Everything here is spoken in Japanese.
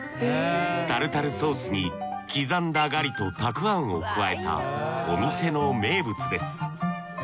タルタルソースに刻んだガリとたくあんを加えたお店の名物です。